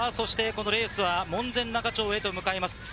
レースは門前仲町へと向かいます。